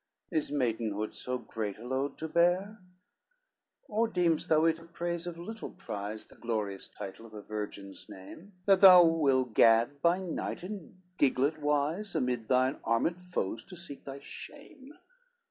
Is maidenhood so great a load to bear? LXXII "Or deem'st thou it a praise of little prize, The glorious title of a virgin's name? That thou will gad by night in giglot wise, Amid thine armed foes, to seek thy shame.